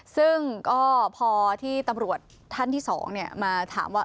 ซึ่งก็พอที่ตำรวจท่านที่๒มาถามว่า